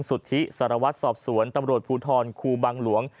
สุธิสารวัตรสอบสวนตำรวจภูทรครูบังหลวง